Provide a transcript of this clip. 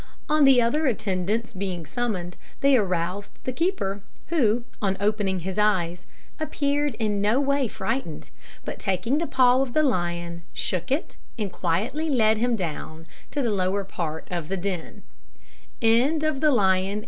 On the other attendants being summoned, they aroused the keeper, who, on opening his eyes, appeared in no way frightened, but taking the paw of the lion, shook it, and quietly led him down to the lower part of the den.